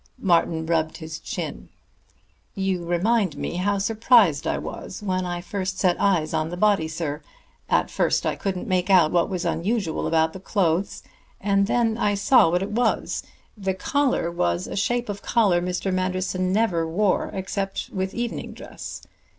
Martin rubbed his chin. "You remind me how surprised I was when I first set eyes on the body, sir. At first I couldn't make out what was unusual about the clothes, and then I saw what it was. The collar was a shape of collar Mr. Manderson never wore except with evening dress.